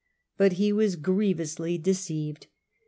But he was grievously deceived.